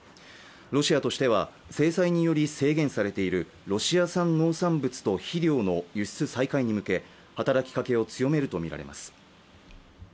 ロシアとしては制裁により制限されているロシア産農産物と肥料の輸出再開に向け働きかけを強めるとみられます。